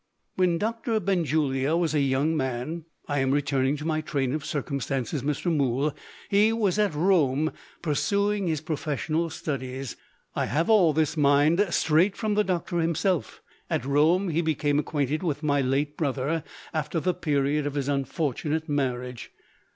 When Doctor Benjulia was a young man I am returning to my train of circumstances, Mr. Mool he was at Rome, pursuing his professional studies. I have all this, mind, straight from the doctor himself. At Rome, he became acquainted with my late brother, after the period of his unfortunate marriage.